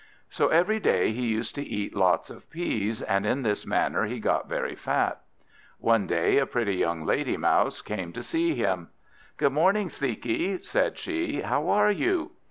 So every day he used to eat lots of peas, and in this manner he got very fat. One day a pretty young lady Mouse came to see him. "Good morning, Sleekie," said she; "how are you?"